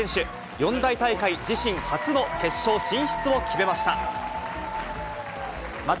四大大会自身初の決勝進出を決めました。